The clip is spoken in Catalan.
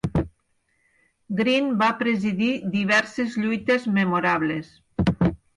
Green va presidir diverses lluites memorables.